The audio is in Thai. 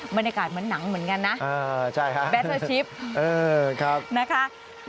บรรยากาศเหมือนหนังเหมือนกันนะแบตเตอร์ชิปนะคะใช่ค่ะเออครับ